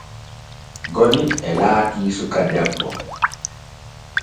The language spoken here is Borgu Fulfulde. Goni e laati suka debbo.